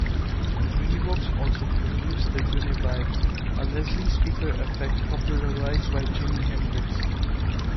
Univox also produced the Uni-Vibe, a Leslie speaker effect popularized by Jimi Hendrix.